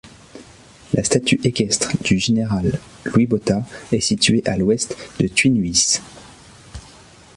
La statue équestre du général Louis Botha est situé à l'ouest de Tuynhuys.